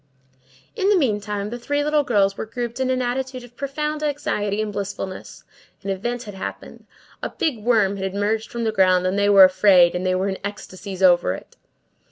In the meantime, the three little girls were grouped in an attitude of profound anxiety and blissfulness; an event had happened; a big worm had emerged from the ground, and they were afraid; and they were in ecstasies over it.